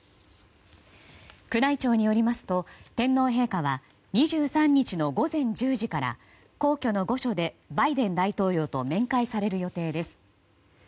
宮内庁によりますと天皇陛下は２３日の午前１０時から皇居の御所でバイデン大統領と面会される予定です。